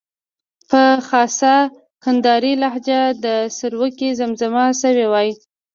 په خاصه کندارۍ لهجه دا سروکی زمزمه شوی وای.